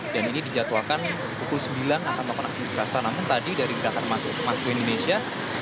dan ini dijadwalkan pukul sembilan akan melakukan aksi di masa